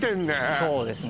そうですね